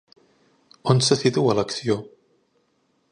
On se situa l'acció?